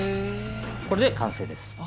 これで完成です。